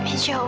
insya allah bu